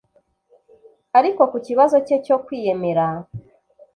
Ariko ku kibazo cye cyo kwiyemera